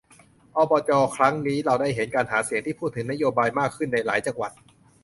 อบจ ครั้งนี้ เราได้เห็นการหาเสียงที่พูดถึงนโยบายมากขึ้นในหลายจังหวัด